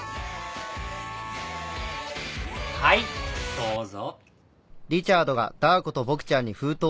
はいどうぞ。